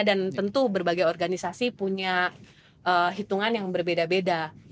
dan tentu berbagai organisasi punya hitungan yang berbeda beda